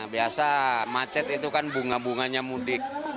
biasa macet itu kan bunga bunganya mudik